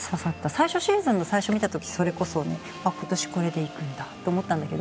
最初シーズンの最初見た時それこそね今年これでいくんだと思ったんだけど。